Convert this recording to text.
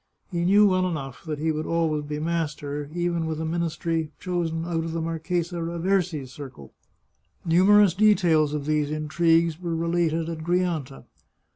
He knew well enough that he would always be master, even with a ministry chosen out of the Marchesa Raversi's circle. Numerous details of these intrigues were related at Gri anta.